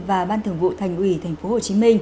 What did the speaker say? và ban thường vụ thành ủy tp hcm